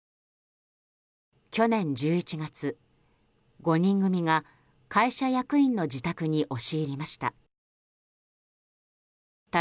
去年１１月、５人組が会社役員の自宅に押し入りました。